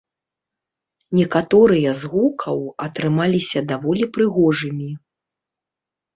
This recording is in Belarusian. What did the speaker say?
Некаторыя з гукаў атрымаліся даволі прыгожымі.